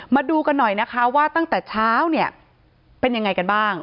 มาดูกันหน่อยนะคะว่าตั้งแต่เช้าเนี่ยเป็นยังไงกันบ้าง